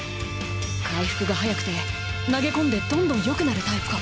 回復が早くて投げ込んでどんどん良くなるタイプか。